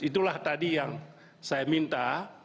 itulah tadi yang saya minta